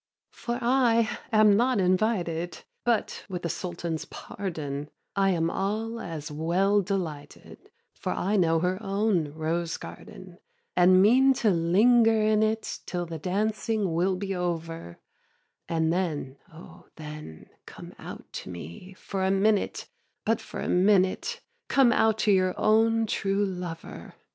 4. For I am not invited, But, with the Sultan's pardon, I am all as well delighted, For I know her own rose garden, And mean to linger in it Till the dancing will be over; And then, oh then, come out to me For a minute, but for a minute, Come out to your own true lover.